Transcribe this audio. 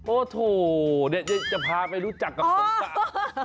โอ้โธ่เดี๋ยวจะพาไปรู้จักกับสงกราน